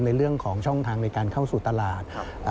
ในเรื่องของช่องทางในการเข้าสู่ตลาด